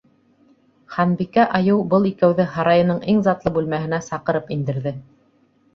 Ханбикә айыу был икәүҙе һарайының иң затлы бүлмәһенә саҡырып индерҙе.